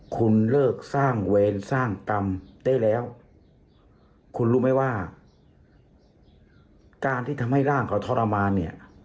คุณเลิกสร้างเวรสร้างกรรมได้แล้วคุณรู้ไหมว่าการที่ทำให้ร่างเขาทรมานเนี่ย